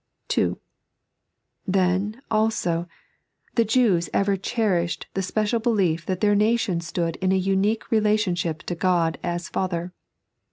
(2) Then, also, the Jews ever chmshed the special belief that their nation stood in a unt^tM r^aiionthip to God as Father.